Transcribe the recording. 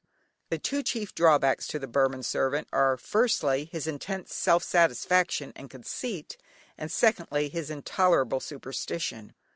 The two chief drawbacks to the Burman servant are, firstly, his intense self satisfaction and conceit, and secondly, his intolerable superstition.